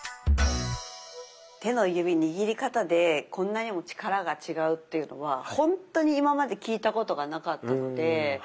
手の指握り方でこんなにも力が違うっていうのはほんとに今まで聞いたことがなかったので。